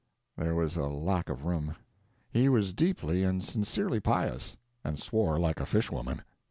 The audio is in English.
(There was a lack of room.) He was deeply and sincerely pious, and swore like a fishwoman.